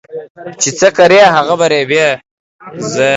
چي څه کرې ، هغه به رېبې.